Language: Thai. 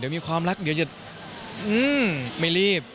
เดี๋ยวมีความรักเดี๋ยวจะไม่รีบ